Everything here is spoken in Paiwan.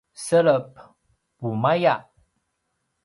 selep: pumaya